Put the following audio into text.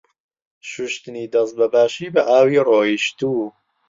شوشتنی دەست بە باشی بە ئاوی ڕۆیشتوو.